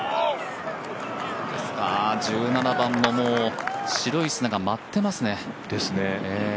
１７番ももう、白い砂が舞ってますね。